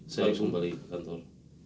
saya harus kembali ke kantor